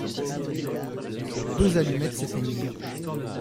Deux allumettes s'éteignirent.